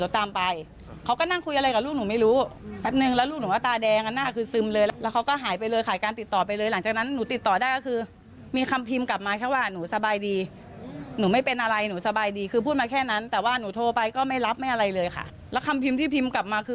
ต่อไปก็ไม่รับแม่อะไรเลยค่ะแล้วคำพิมพ์ที่พิมพ์กลับมาคือ